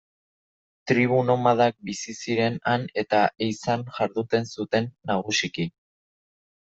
Tribu nomadak bizi ziren han eta ehizan jarduten zuten, nagusiki.